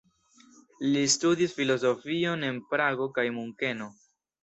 Li studis filozofion en Prago kaj Munkeno.